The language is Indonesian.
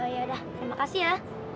yaudah terima kasih ya